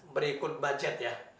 berikut budget ya